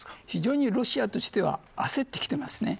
非常に、ロシアとしては焦ってきています。